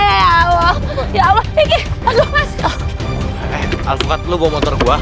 eh alfakat lu bawa motor gua